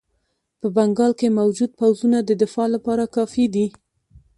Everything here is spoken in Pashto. په بنګال کې موجود پوځونه د دفاع لپاره کافي دي.